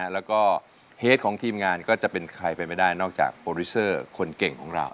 แล้วก็เฮดของทีมงานก็จะเป็นใครไปไม่ได้นอกจากโปรดิวเซอร์คนเก่งของเรา